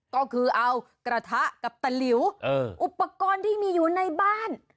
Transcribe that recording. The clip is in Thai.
ก็คือเอากระทะกับตะหลิวอุปกรณ์ที่มีอยู่ในบ้าน